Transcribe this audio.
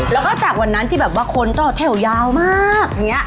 แล้วก็จากวันนั้นที่คนตอบเทลยาวมาก